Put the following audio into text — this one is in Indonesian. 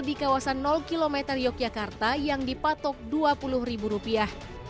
di kawasan km yogyakarta yang dipatok dua puluh ribu rupiah